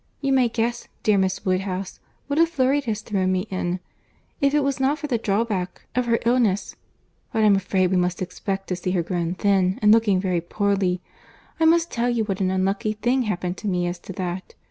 —You may guess, dear Miss Woodhouse, what a flurry it has thrown me in! If it was not for the drawback of her illness—but I am afraid we must expect to see her grown thin, and looking very poorly. I must tell you what an unlucky thing happened to me, as to that.